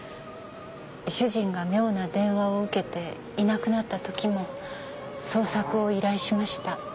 主人が妙な電話を受けていなくなった時も捜索を依頼しました。